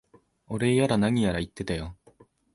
お礼やら何やら言ってたよ。